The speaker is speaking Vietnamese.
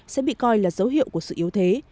sẽ bị coi là dấu hiệu của sự yếu thế